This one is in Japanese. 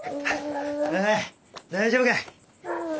おい大丈夫か？